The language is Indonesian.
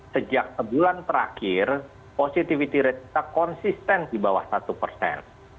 sejak sebulan terakhir positivity rate kita konsisten di bawah satu persen